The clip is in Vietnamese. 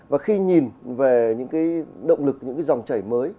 và khi nhìn về những động lực những dòng chảy mới